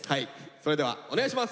それではお願いします。